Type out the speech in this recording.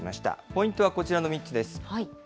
ポイントはこちらの３つです。